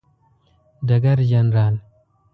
ډګر جنرال